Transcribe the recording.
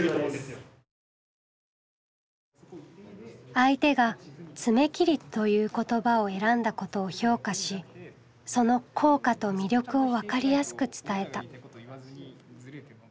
相手が「爪切り」という言葉を選んだことを評価しその効果と魅力を分かりやすく伝えた。